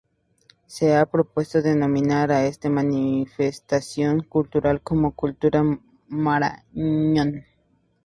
Se ha propuesto denominar a esta manifestación cultural como Cultura Marañón.